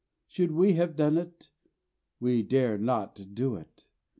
Should we have done it? We dare not do it.